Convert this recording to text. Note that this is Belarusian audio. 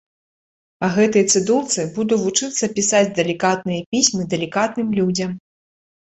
Па гэтай цыдулцы буду вучыцца пісаць далікатныя пісьмы далікатным людзям.